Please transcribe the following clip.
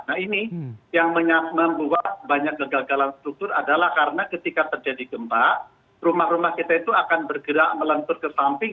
nah ini yang membuat banyak kegagalan struktur adalah karena ketika terjadi gempa rumah rumah kita itu akan bergerak melentur ke samping